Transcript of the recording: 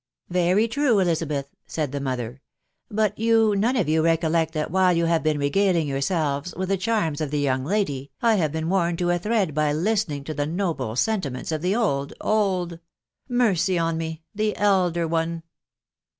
" Very true, Elizabeth," .... said the mother r €f but you none of you recollect that while you have been regaling your selves with the charms of the young lady, I have been worn to a thread by listening to die noble sentiments of the old .•.• old ?.... mercy on me !■ the elder one.